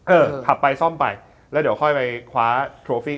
เออขับไปซ่อมไปแล้วเดี๋ยวค่อยไปคว้าโทฟี่